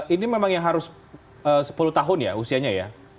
ini memang yang harus sepuluh tahun ya usianya ya